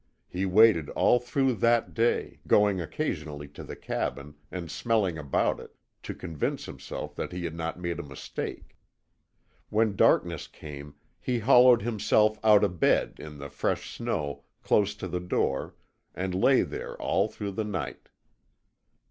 He waited all through that day, going occasionally to the cabin, and smelling about it, to convince himself that he had not made a mistake. When darkness came he hollowed himself out a bed in the fresh snow close to the door and lay there all through the night.